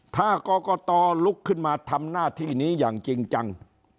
ถ้ากรกตลุกขึ้นมาทำหน้าที่นี้อย่างจริงจัง